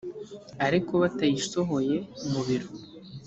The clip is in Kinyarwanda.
ariko batayisohoye mu biro